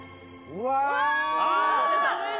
うわ！